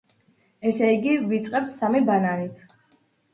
ესე იგი, ვიწყებთ სამი ბანანით.